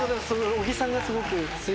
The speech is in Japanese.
小木さんがすごく。